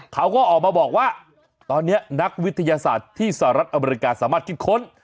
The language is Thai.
เขาก็ออกมาบอกว่าตอนนี้นักวิทยาศาสตร์ที่สหรัฐอเมริกาสามารถคิดค้น